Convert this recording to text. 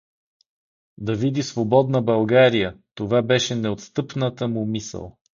Да види свободна България — това беше неотстъпната му мисъл.